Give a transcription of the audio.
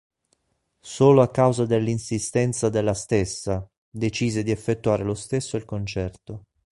Solo a causa dell'insistenza della stessa, decise di effettuare lo stesso il concerto.